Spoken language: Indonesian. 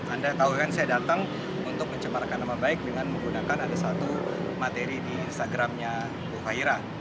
anda tahu kan saya datang untuk mencemarkan nama baik dengan menggunakan ada satu materi di instagramnya bu fahira